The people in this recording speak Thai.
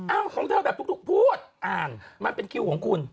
ของเธอแบบทุกพูดอ่านมันเป็นคิวของคุณ